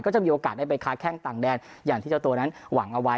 จะมีโอกาสได้ไปค้าแข้งต่างแดนอย่างที่เจ้าตัวนั้นหวังเอาไว้